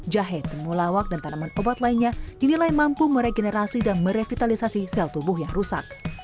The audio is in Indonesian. jahe temulawak dan tanaman obat lainnya dinilai mampu meregenerasi dan merevitalisasi sel tubuh yang rusak